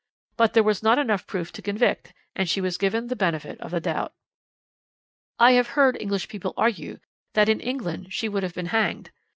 But there was not enough proof to convict, and she was given the benefit of the doubt. "I have heard English people argue that in England she would have been hanged.